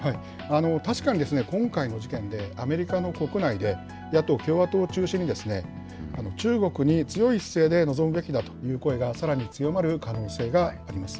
確かに、今回の事件で、アメリカの国内で野党・共和党を中心に、中国に強い姿勢で望むべきだという声がさらに強まる可能性があります。